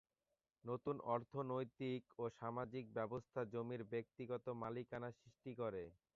নতুন অর্থনৈতিক ও সামাজিক ব্যবস্থা জমির ব্যক্তিগত মালিকানা সৃষ্টি করে।